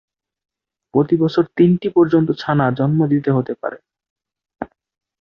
প্রতি বছর তিনটি পর্যন্ত ছানা জন্ম দিতে হতে পারে।